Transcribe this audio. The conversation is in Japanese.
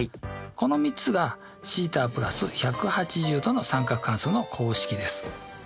この３つがθ＋１８０°の三角関数の公式です。